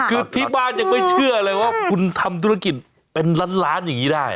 คือที่บ้านยังไม่เชื่อเลยว่าคุณทำธุรกิจเป็นล้านล้านอย่างนี้ได้